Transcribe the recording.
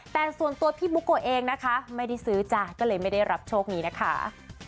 แต่ส่วนตัวพี่บุ๊กโกะเองนะคะไม่ได้ซื้อจ้ะก็เลยไม่ได้รับโชคนี้นะคะ